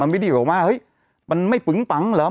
มันไม่ได้อยู่กับว่าเฮ้ยมันไม่ปึ๊งปังเหรอ